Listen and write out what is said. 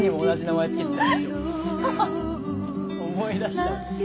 思い出した。